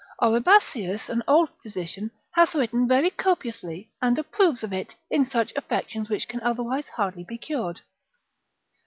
Oribasius, an old physician, hath written very copiously, and approves of it, in such affections which can otherwise hardly be cured.